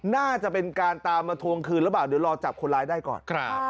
น่าจะเป็นการตามมาทวงคืนหรือเปล่าเดี๋ยวรอจับคนร้ายได้ก่อน